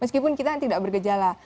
meskipun kita tidak bergejala